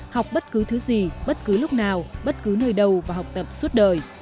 học bất cứ thứ gì bất cứ lúc nào bất cứ nơi đâu và học tập suốt đời